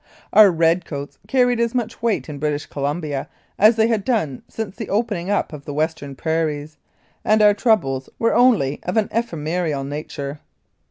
Our red coats carried as much weight in British Columbia as they had done since the opening up of the Western prairies, and our troubles were only of an ephemeral nature.